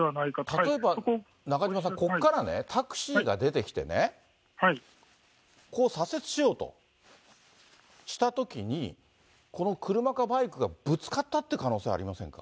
例えば中島さん、ここからね、タクシーが出てきてね、左折しようとしたときに、この車かバイクがぶつかったっていう可能性ありませんか？